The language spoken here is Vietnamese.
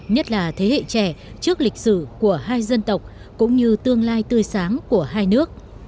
nhất là thế hệ trẻ trước lịch sử của hai dân tộc cũng như tương lai tươi sáng của hai nước